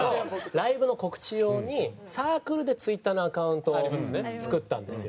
ライブの告知用にサークルでツイッターのアカウントを作ったんですよ。